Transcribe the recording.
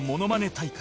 大会